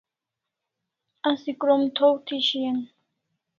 Asi krom thaw thi shian